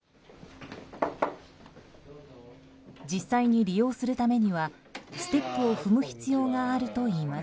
実際に利用するためにはステップを踏む必要があるといいます。